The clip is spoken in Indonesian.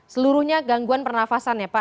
seluruhnya gangguan pernafasan ya pak